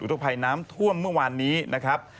ทุกภัยน้ำท่วมเมื่อวานนี้นะครับ